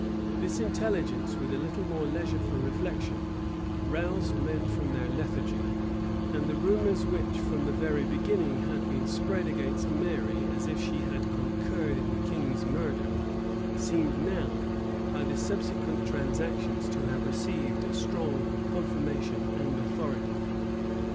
This intelligence, with a little more leisure for reflection, roused men from their lethargy; and the rumors which, from the very beginning,[] had been spread against Mary, as if she had concurred in the king's murder, seemed now, by the subsequent transactions, to have received a strong confirmation and authority.